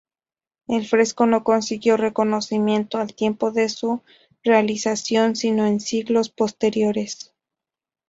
El fresco no consiguió reconocimiento al tiempo de su realización, sino en siglos posteriores.